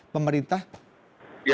diberhentikan dari pemerintah